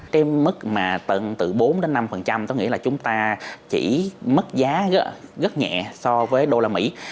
trên mức từ bốn năm tôi nghĩ là chúng ta chỉ mất giá rất nhẹ so với usd